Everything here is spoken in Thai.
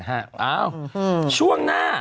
เอ้าช่วงหน้า